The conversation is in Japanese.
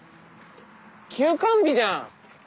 休館日じゃん。